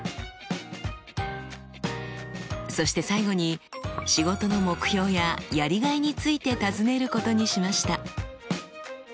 そして最後に仕事の目標ややりがいについて尋ねることにしました。